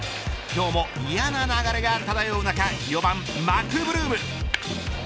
今日も嫌な流れが漂う中４番マクブルーム。